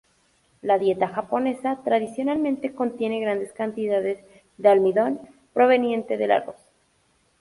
La dieta japonesa, tradicionalmente, contiene grandes cantidades de almidón proveniente del arroz.